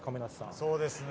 そうですね。